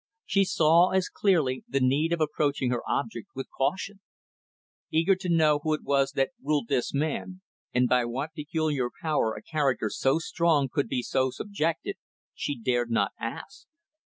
She saw, as clearly, the need of approaching her object with caution. Eager to know who it was that ruled this man, and by what peculiar power a character so strong could be so subjected, she dared not ask.